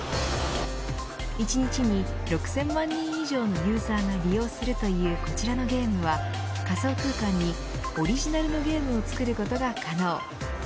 １日に６０００万人以上のユーザーが利用するというこちらのゲームは、仮想空間にオリジナルのゲームを作ることが可能。